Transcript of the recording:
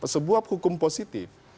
sebuah hukum positif